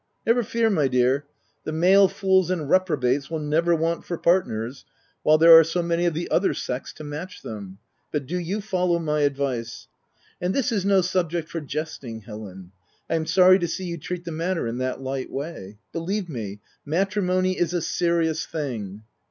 " Never fear, my dear ! the male fools and reprobates will never want for partners while there are so many of the other sex to match them ; but do you follow my advice. And this is no subject for jesting, Helen, I am sorry to see you treat the matter in that light way. Believe me, matrimony is a serious thing."